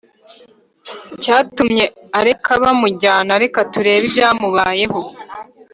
Cyatumye areka baramujyana reka turebe ibyamubayeho